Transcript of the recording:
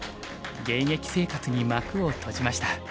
現役生活に幕を閉じました。